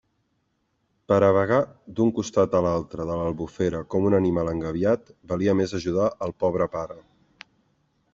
Per a vagar d'un costat a un altre de l'Albufera com un animal engabiat, valia més ajudar el pobre pare.